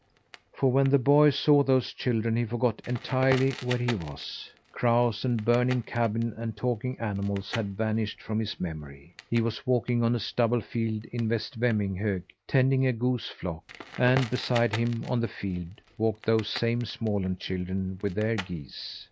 For when the boy saw those children he forgot entirely where he was. Crows and burning cabin and talking animals had vanished from his memory. He was walking on a stubble field, in West Vemminghög, tending a goose flock; and beside him, on the field, walked those same Småland children, with their geese.